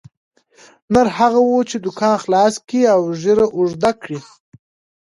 نر هغه وو چې دوکان خلاص کړي او ږیره اوږده کړي.